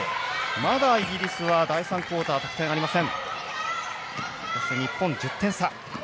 まだイギリスは第３クオーター得点がありません。